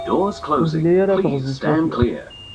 Ur telli ara teɣẓen swaswa.